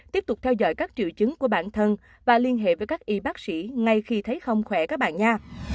tiếp tục theo dõi các triệu chứng của bản thân và liên hệ với các y bác sĩ ngay khi thấy không khỏe các bạn